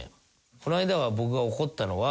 この間は僕が怒ったのは。